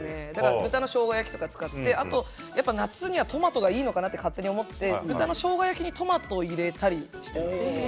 豚のしょうが焼きとかを作って夏にはトマトがいいのかなと勝手に思って豚のしょうが焼きにトマトを入れたりしていますね。